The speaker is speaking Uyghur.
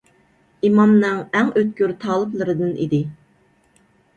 ئىمامنىڭ ئەڭ ئۆتكۈر تالىپلىرىدىن ئىدى.